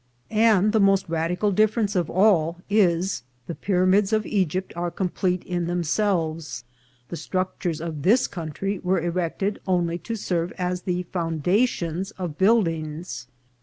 And the most radical difference of all is, the pyramids of Egypt are complete in themselves ; the structures of this country were erected only to serve as the foundations of build ings.